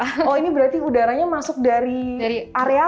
oh ini berarti udaranya masuk dari area apa gitu